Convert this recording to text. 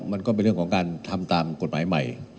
มันก็เป็นเรื่องของการทำตามกฎหมายใหม่